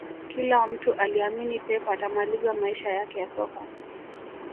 Kila mtu aliamini pep atamaliza maisha yake ya soka